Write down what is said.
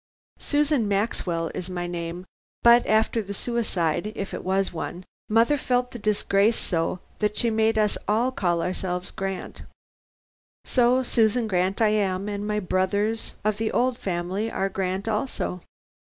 Susan Maxwell is my name, but after the suicide if it was one mother felt the disgrace so, that she made us all call ourselves Grant. So Susan Grant I am, and my brothers of the old family are Grant also."